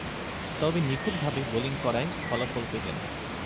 তবে নিখুঁতভাবে বোলিং করায় ফলাফল পেতেন।